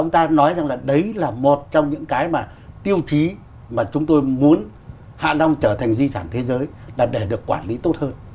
chúng ta nói rằng là đấy là một trong những cái mà tiêu chí mà chúng tôi muốn hạ long trở thành di sản thế giới là để được quản lý tốt hơn